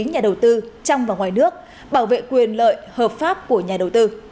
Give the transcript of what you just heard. nhà đầu tư trong và ngoài nước bảo vệ quyền lợi hợp pháp của nhà đầu tư